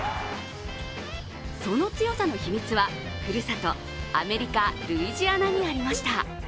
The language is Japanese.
その強さの秘密はふるさと、アメリカ・ルイジアナにありました。